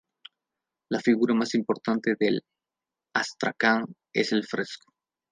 La figura más importante del astracán es el "fresco".